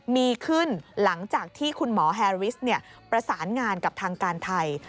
มีขึ้นหลังจากที่คุณหมอแฮริสประสานงานกับทางการไทย